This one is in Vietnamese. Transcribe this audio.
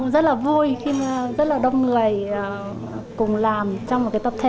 rất là vui khi rất là đông người cùng làm trong một cái tập thể